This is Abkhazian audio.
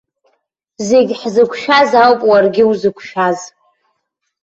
Зегь ҳзықәшәаз ауп уаргьы узықәшәаз!